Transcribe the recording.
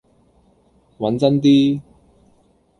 揾真啲